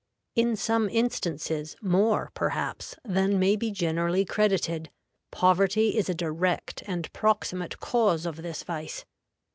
_In some instances, more, perhaps, than may be generally credited, poverty is a direct and proximate cause of this vice.